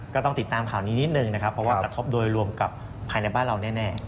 ก็ต้องติดตามข่าวนี้นิดนึงนะครับเพราะว่ากระทบโดยรวมกับภายในบ้านเราแน่